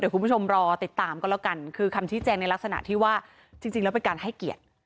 คุณผู้ชมรอติดตามก็แล้วกันคือคำชี้แจงในลักษณะที่ว่าจริงแล้วเป็นการให้เกียรติ